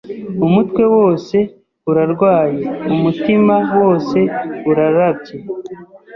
umutwe wose urarwaye, umutima wose urarabye,